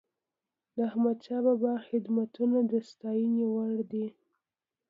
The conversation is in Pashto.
د احمدشاه بابا خدمتونه د ستايني وړ دي.